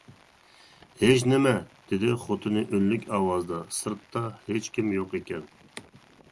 -ھېچنېمە، -دېدى خوتۇنى ئۈنلۈك ئاۋازدا، -سىرتتا ھېچكىم يوق ئىكەن.